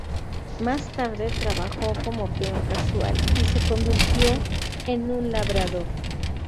Más tarde trabajó como peón casual y se convirtió en un labrador.